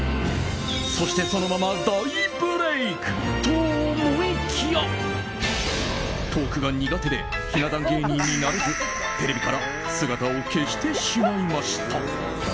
そして、そのまま大ブレークと思いきやトークが苦手でひな壇芸人になれずテレビから姿を消してしまいました。